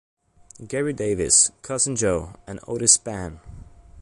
Gary Davis, Cousin Joe and Otis Spann.